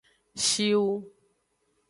Shiwu.